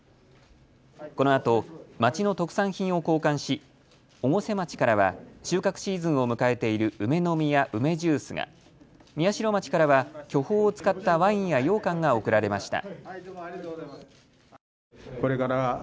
このあと町の特産品を交換し越生町からは収穫シーズンを迎えている梅の実や梅ジュースが、宮代町からは巨峰を使ったワインやようかんが贈られました。